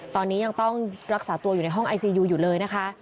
ตอนนี้ยังต้องรักษาตัวอยู่ในห้องไอซียูอยู่เลยนะคะ